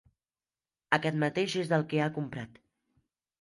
Aquest mateix és el que ha comprat.